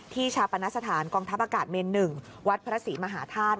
ชาปณสถานกองทัพอากาศเมน๑วัดพระศรีมหาธาตุ